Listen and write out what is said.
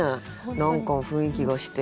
何か雰囲気がして。